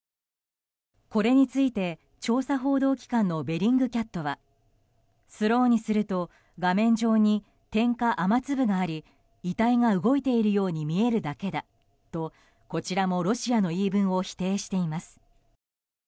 これについて、調査報道機関のベリングキャットはスローにすると画面上に点や雨粒があり遺体が動いているように見えるだけだとこちらもロシアの言い分を否定しています。